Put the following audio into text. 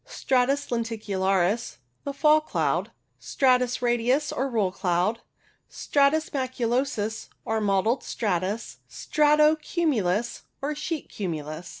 Stratus lenticularis, the Fall cloud. Stratus radius, or Roll cloud. Stratus maculosus, or Mottled stratus. Strato cumulus, or Sheet cumulus.